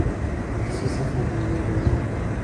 مخصوص خبرنگاران